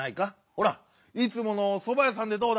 ほらいつものそばやさんでどうだ？